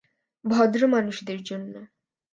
ভদ্র মানুষদের জন্য।